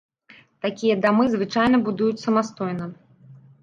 Такія дамы звычайна будуюць самастойна.